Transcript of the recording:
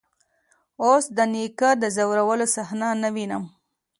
اوس د نيکه د ځورولو صحنه نه وينم.